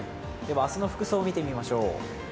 明日の服装を見てみましょう。